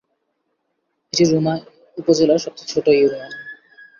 এটি রুমা উপজেলার সবচেয়ে ছোট ইউনিয়ন।